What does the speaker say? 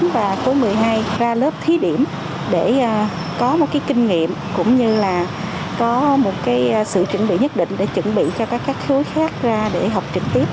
và khối một mươi hai ra lớp thí điểm để có một kinh nghiệm cũng như là có một sự chuẩn bị nhất định để chuẩn bị cho các khối khác ra để học trực tiếp